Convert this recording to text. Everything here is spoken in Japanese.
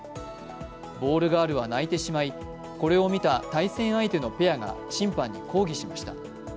ボールガールは泣いてしまい、これを見た対戦相手のペアが審判に抗議しました。